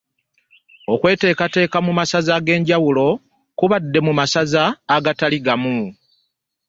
Okweteekateeka mu masaza ag'enjawulo kubadde mu masaza agatali gamu